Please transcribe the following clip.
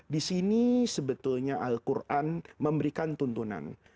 di sini sebetulnya al quran memberikan tuntunan